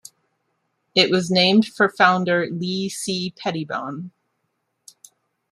It was named for founder Lee C. Pettibone.